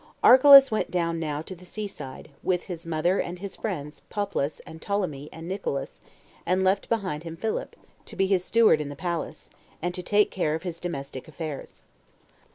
1. Archelaus went down now to the sea side, with his mother and his friends, Poplas, and Ptolemy, and Nicolaus, and left behind him Philip, to be his steward in the palace, and to take care of his domestic affairs.